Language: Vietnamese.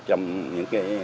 trong những cái